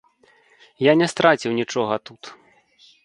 Я не страціў нічога тут.